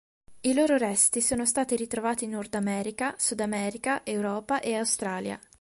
I loro resti sono stati ritrovati in Nordamerica, Sudamerica, Europa e Australia.